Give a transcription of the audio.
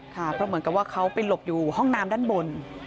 เพราะเหมือนกับว่าเขาไปหลบอยู่ห้องน้ำด้านบน